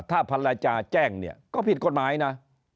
ถ้าภรรยาแจ้งเนี่ยก็ผิดกฎหมายนะ